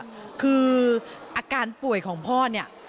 ขอบคุณมากนะคะที่เป็นกำลังใจให้พ่อ